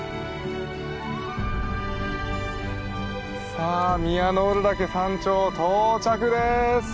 さあ宮之浦岳山頂到着です。